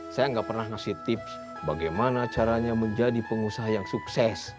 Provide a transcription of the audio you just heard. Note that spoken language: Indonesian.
saya nggak pernah ngasih tips bagaimana caranya menjadi pengusaha yang sukses